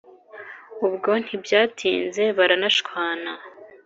ubwo ntibyatinze baranashwana